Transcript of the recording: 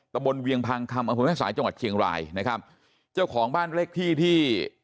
ตะบนเวียงพังคำอำเภอแม่สายจังหวัดเชียงรายนะครับเจ้าของบ้านเลขที่ที่